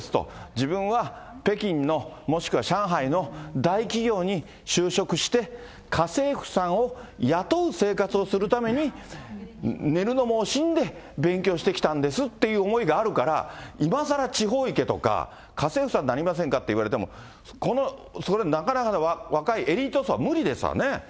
自分は北京の、もしくは上海の大企業に就職して、家政婦さんを雇う生活をするために、寝るのも惜しんで勉強してきたんですっていう思いがあるから、今さら地方行けとか、家政婦さんになりませんかって言われても、この、それ、なかなかね、若いエリート層は無理ですわね。